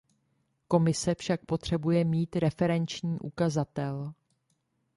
Komise však potřebuje mít referenční ukazatel.